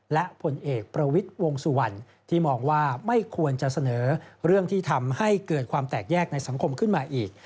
และผลเอกประวิทย์วงสุวรรณที่มองว่าไม่ควรจะเสนอเรื่องที่ทำให้เกิดความแตกแยกในสังคมขึ้นมาอีก